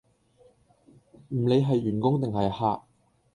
唔理係員工定係客